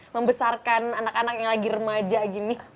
membesarkan anak anak yang lagi remaja gini